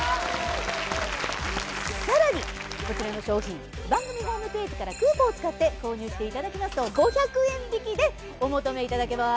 さらにこちらの商品番組ホームページからクーポンを使って購入していただきますと５００円引きでお求めいただけます。